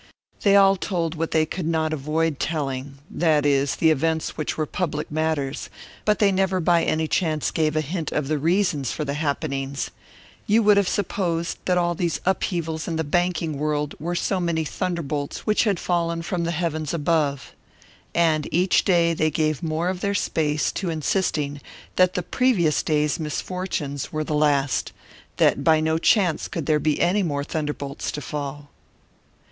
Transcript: They all told what they could not avoid telling that is, the events which were public matters; but they never by any chance gave a hint of the reasons for the happenings you would have supposed that all these upheavals in the banking world were so many thunderbolts which had fallen from the heavens above. And each day they gave more of their space to insisting that the previous day's misfortunes were the last that by no chance could there be any more thunderbolts to fall.